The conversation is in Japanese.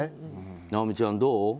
尚美ちゃん、どう？